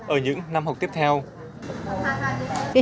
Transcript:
ở những năm học mới